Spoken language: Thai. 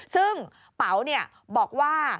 ซึ่งเป๋าบอกว่า